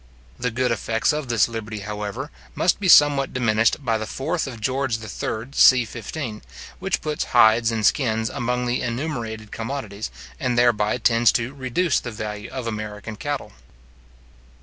The good effects of this liberty, however, must be somewhat diminished by the 4th of Geo. III. c. 15, which puts hides and skins among the enumerated commodities, and thereby tends to reduce the value of American cattle.